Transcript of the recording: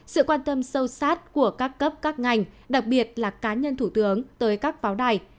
sự quan tâm sâu sát của các cấp các ngành đặc biệt là cá nhân thủ tướng tới các pháo đài